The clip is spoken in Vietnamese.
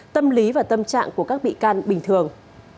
tâm lý và tâm trạng của các bị can bình thường